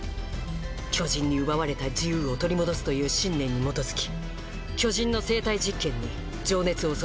巨人に奪われた自由を取り戻すという信念に基づき巨人の生体実験に情熱を注いでいます。